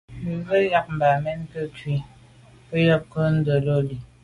Mbə́zə́ myɑ̂k Bamen gə̀ yə́ ncʉ̂ gə̀ yá cú mbā ndə̂gə́lô.